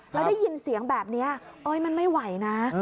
แล้วได้ยินเสียงแบบนี้มันไม่ไหวนะ